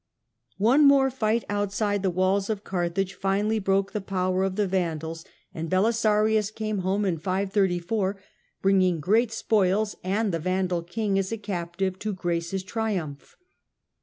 One more fight outside the walls of Carthage finally broke the power of the Vandals, and Belisarius came home in 534, bringing great spoils and the Vandal king as a captive to grace his triumph.